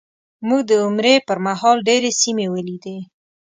موږ د عمرې په مهال ډېرې سیمې ولیدې.